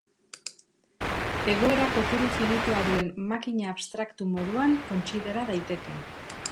Egoera kopuru finitua duen makina abstraktu moduan kontsidera daiteke.